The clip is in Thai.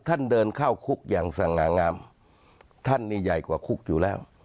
ท่านเดินเข้าคุกอย่างสง่างามท่านนี่ใหญ่กว่าคุกอยู่แล้ว